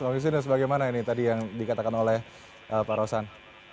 bang yusinus bagaimana ini tadi yang dikatakan oleh pak rosan